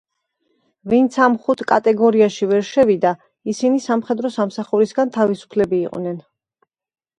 ვინც ამ ხუთ კატეგორიაში ვერ შევიდა, ისინი სამხედრო სამსახურისგან თავისუფლები იყვნენ.